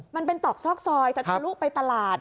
มันเป็นตอกซอกซอยจัดทะลุไปตลาด